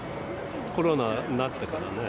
コロナになってからね。